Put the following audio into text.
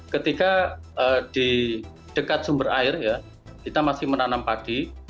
ketika di dekat sumber air ya kita masih menanam padi